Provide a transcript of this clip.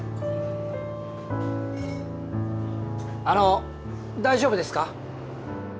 あの大丈夫ですか？